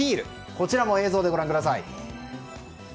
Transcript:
こちらも映像でご覧ください。